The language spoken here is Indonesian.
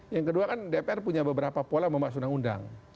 yang kedua kan dpr punya beberapa pola membahas undang undang